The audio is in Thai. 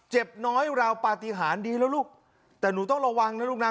เจ็บน้อยราวปฏิหารดีแล้วลูกแต่หนูต้องระวังนะลูกนะ